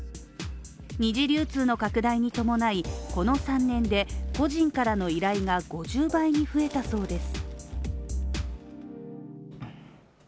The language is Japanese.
二次流通の拡大に伴い、この３年で個人からの依頼が５０倍に増えたそうです。